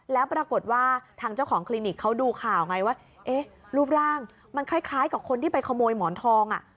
แล้วปรากฏว่าทางเจ้าของคลินิกเขาดูข่าวไงว่าเอ๊ะรูปร่างมันคล้ายกับคนที่ไปขโมยหมอนทองอ่ะ